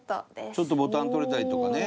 ちょっとボタン取れたりとかね。